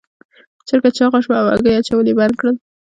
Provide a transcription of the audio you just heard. چرګه چاغه شوه او هګۍ اچول یې بند کړل.